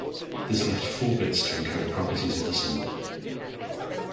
This left four bits to encode properties of the symbol.